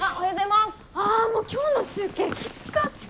ああもう今日の中継きつかった。